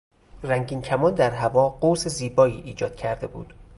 رنگین کمان در هوا قوس زیبایی ایجاد کرده بود.